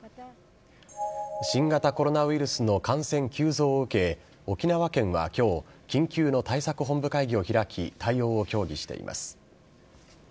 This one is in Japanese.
新型コロナウイルスの感染急増を受け、沖縄県はきょう、緊急の対策本部会議を開き、対応を協議しています。